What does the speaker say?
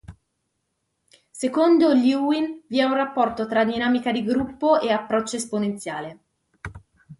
Secondo Lewin vi è un rapporto tra dinamica di gruppo e approccio esperienziale.